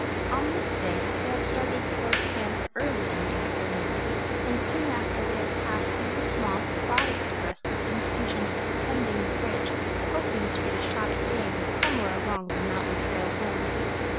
On this day they had started toward camp early in the afternoon, and soon after they had passed through the swamp Rod expressed his intention of ascending the ridge, hoping to get a shot at game somewhere along the mountain trail home.